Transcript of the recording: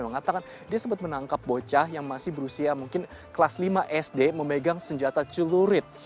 mengatakan dia sempat menangkap bocah yang masih berusia mungkin kelas lima sd memegang senjata celurit